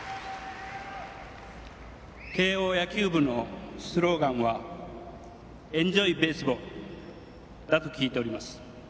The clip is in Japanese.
慶応野球部のスローガンは「エンジョイ・ベースボール」だと聞いております。